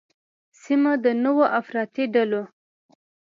سیمه د نوو افراطي ډلو